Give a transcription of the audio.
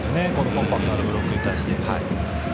コンパクトなブロックに対して。